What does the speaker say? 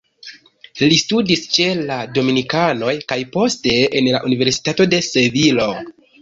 Li studis ĉe la dominikanoj kaj poste en la Universitato de Sevilo.